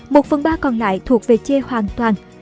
một phần ba còn lại thuộc về chê hoàn toàn